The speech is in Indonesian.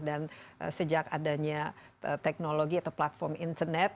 dan sejak adanya teknologi atau platform internet